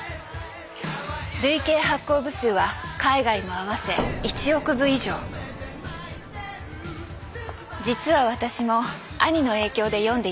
累計発行部数は海外も合わせ実は私も兄の影響で読んでいました。